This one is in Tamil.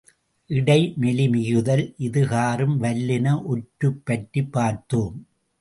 இடை மெலி மிகுதல் இது காறும் வல்லின ஒற்று பற்றிப் பார்த்தோம்.